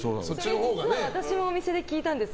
実は私も、お店で聞いたんです。